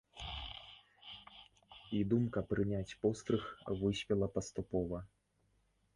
І думка прыняць пострыг выспела паступова.